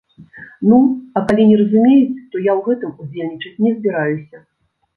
Ну, а калі не разумеюць, то я ў гэтым удзельнічаць не збіраюся.